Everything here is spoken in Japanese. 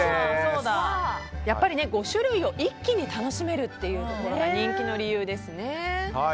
やっぱり５種類を一気に楽しめるというところが人気の理由ですね。